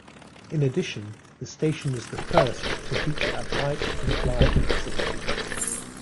In addition, the station is the first to feature a Bike and Ride facility.